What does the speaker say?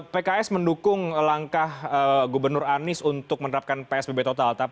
pks mendukung langkah gubernur anies untuk menerapkan psbb total